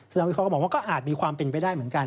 นักวิเคราะห์บอกว่าก็อาจมีความเป็นไปได้เหมือนกัน